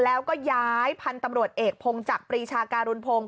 แล้วก็ย้ายพันธุ์ตำรวจเอกพงศักดิชาการุณพงศ์